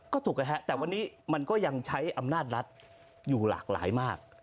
ก็ถูกนะฮะแต่วันนี้มันก็ยังใช้อำนาจรัฐอยู่หลากหลายมาก